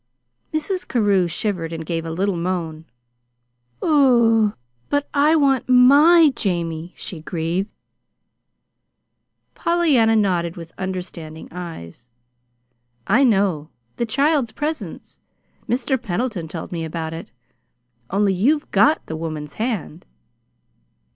Mrs. Carew shivered and gave a little moan. "But I want MY Jamie," she grieved. Pollyanna nodded with understanding eyes. "I know the 'child's presence.' Mr. Pendleton told me about it only you've GOT the 'woman's hand.'"